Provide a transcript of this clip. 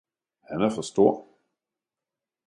Han er for stor!